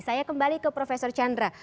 saya kembali ke prof chandra